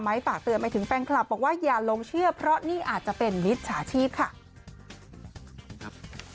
ฝากเตือนไปถึงแฟนคลับบอกว่าอย่าลงเชื่อเพราะนี่อาจจะเป็นมิจฉาชีพค่ะ